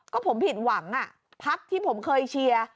ก็ผมผิดหวังพักที่ผมเคยเชียร์